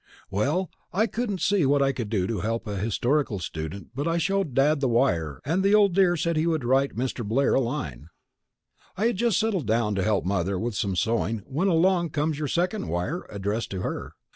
Well, I couldn't see what I could do to help a historical student but I showed Dad the wire and the old dear said he would write Mr. Blair a line. I had just settled down to help Mother with some sewing when along comes your second wire, addressed to her.